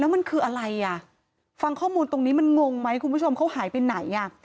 มันคืออะไรอ่ะฟังข้อมูลตรงนี้มันงงไหมคุณผู้ชมเขาหายไปไหนอ่ะ